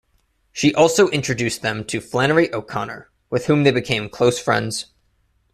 She also introduced them to Flannery O'Connor, with whom they became close friends.